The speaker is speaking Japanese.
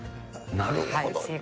なるほど。